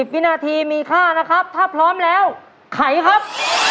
วินาทีมีค่านะครับถ้าพร้อมแล้วไขครับ